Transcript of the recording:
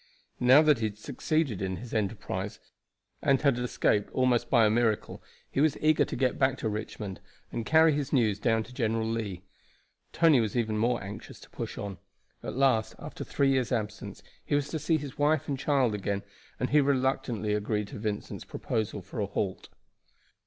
Now, that he had succeeded in his enterprise, and had escaped almost by a miracle, he was eager to get back to Richmond and carry his news down to General Lee. Tony was even more anxious to push on. At last, after three years' absence, he was to see his wife and child again, and he reluctantly agreed to Vincent's proposal for a halt.